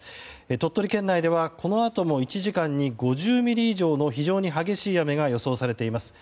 鳥取県内ではこのあとも１時間に５０ミリ以上の非常に激しい雨が予想されています。